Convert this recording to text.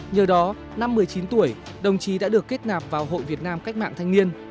nhờ đó năm một mươi chín tuổi đồng chí đã được kết nạp vào hội việt nam cách mạng thanh niên